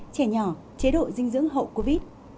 trẻ nhỏ chế độ dinh dưỡng hậu covid